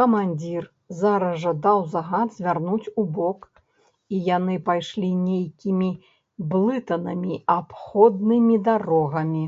Камандзір зараз жа даў загад звярнуць убок, і яны пайшлі нейкімі блытанымі абходнымі дарогамі.